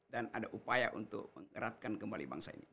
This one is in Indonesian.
dan ada upaya untuk mengeratkan kembali bangsa ini